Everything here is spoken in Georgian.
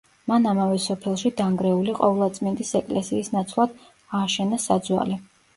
მან ამავე სოფელში დანგრეული ყოვლადწმინდის ეკლესიის ნაცვლად ააშენა საძვალე.